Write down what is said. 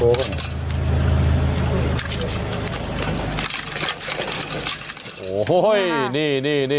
โอ้โฮ้ยนี่